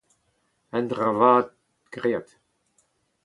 Un dra vat graet.